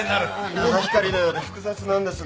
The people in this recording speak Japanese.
七光りのようで複雑なんですが。